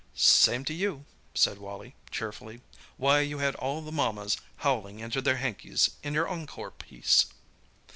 "Same to you," said Wally cheerfully. "Why, you had all the mammas howling into their hankies in your encore piece!"